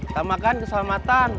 selamat makan keselamatan